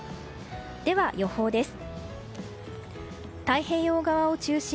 では予報です。